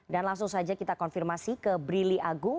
dan langsung saja kita konfirmasi ke brili agung